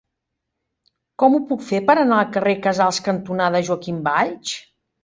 Com ho puc fer per anar al carrer Casals cantonada Joaquim Valls?